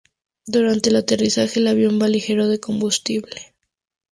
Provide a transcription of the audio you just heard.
Durante el aterrizaje el avión va ligero de combustible.